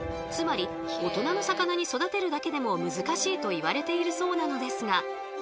つまり大人の魚に育てるだけでも難しいといわれているそうなのですが